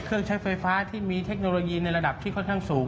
เครื่องใช้ไฟฟ้าที่มีเทคโนโลยีในระดับที่ค่อนข้างสูง